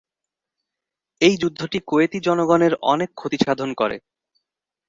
এই যুদ্ধটি কুয়েতি জনগনের অনেক ক্ষতিসাধন করে।